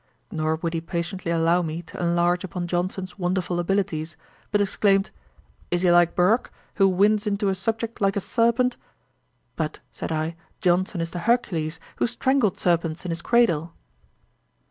Nor would he patiently allow me to enlarge upon Johnson's wonderful abilities; but exclaimed, 'Is he like Burke, who winds into a subject like a serpent?' 'But, (said I,) Johnson is the Hercules who strangled serpents in his cradle.'